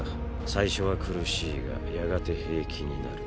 最初は苦しいがやがて平気になる。